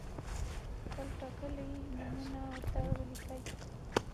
خپل ټاکلي نومونه ورته ولیکئ.